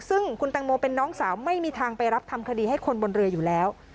ซึ่งคุณแตงโมเป็นน้องสาวไม่มีทางไปรับทำคดีให้คนบนเรืออยู่แล้ว